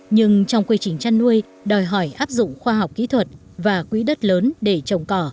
nhưng trong quy trình chăn nuôi đòi hỏi áp dụng khoa học kỹ thuật và quỹ đất lớn để trồng cỏ